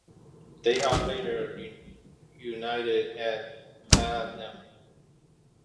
They are later reunited at Platinum.